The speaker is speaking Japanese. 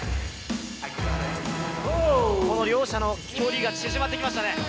この両者の距離が縮まってきましたね。